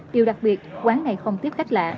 điều đặc biệt quán này không tiếp khách lạ